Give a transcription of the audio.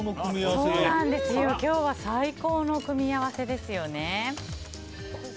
今日は最高の組み合わせですよね。